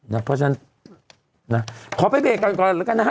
เพราะฉะนั้นขอไปเบรกก่อนก่อนแล้วกันนะฮะ